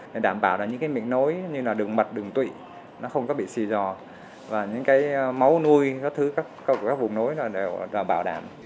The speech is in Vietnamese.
để đảm bảo những mệnh nối như đường mật đường tụy không bị xì dò và máu nuôi các vùng nối đều bảo đảm